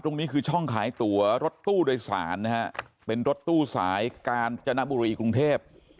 ตรงนี้คือช่องขายตัวรถตู้โดยสารนะฮะเป็นรถตู้สายกาญจนบุรีกรุงเทพ